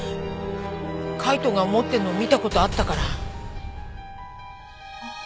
海斗が持ってるのを見た事あったから。